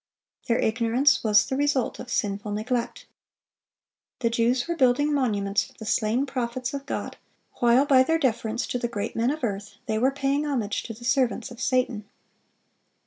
Their ignorance was the result of sinful neglect. The Jews were building monuments for the slain prophets of God, while by their deference to the great men of earth they were paying homage to the servants of Satan.